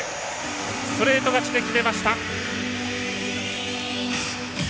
ストレート勝ちで決めました。